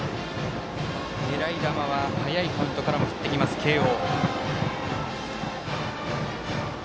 狙い球は早いカウントからも打ってきます慶応。